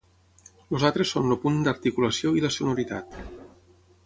Els altres són el punt d'articulació i la sonoritat.